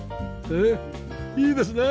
ねえいいですね！